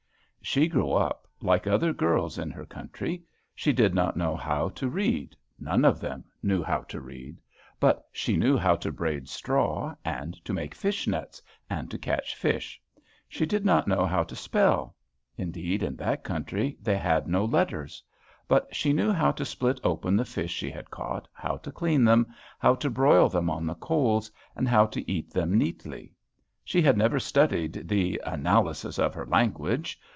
She grew up like other girls in her country. She did not know how to read. None of them knew how to read. But she knew how to braid straw, and to make fish nets and to catch fish. She did not know how to spell. Indeed, in that country they had no letters. But she knew how to split open the fish she had caught, how to clean them, how to broil them on the coals, and how to eat them neatly. She had never studied the "analysis of her language."